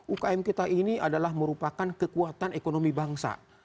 ukm kita ini adalah merupakan kekuatan ekonomi bangsa